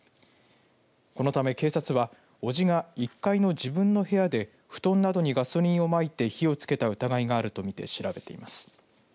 このため、警察は伯父が１階の自分の部屋で布団などにガソリンをまいて火をつけた疑いがあるとみて調べています。